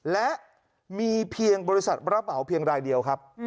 และมีเพียงบริษัทรับเหมาเพียงรายเดียวครับ